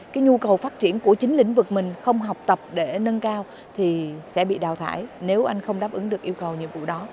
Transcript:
cái nhu cầu phát triển của chính lĩnh vực mình không học tập để nâng cao thì sẽ bị đào thải nếu anh không đáp ứng được yêu cầu nhiệm vụ đó